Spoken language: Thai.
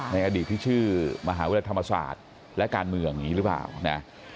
ในอดีตที่ชื่อมหาวิทยาลัยธรรมศาสตร์และการเมืองอย่างนี้หรือเปล่านะ